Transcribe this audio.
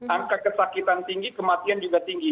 angka kesakitan tinggi kematian juga tinggi